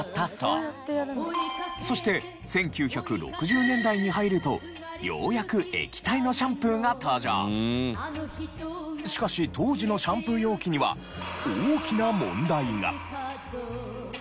そして１９６０年代に入るとようやくしかし当時のシャンプー容器には大きな問題が。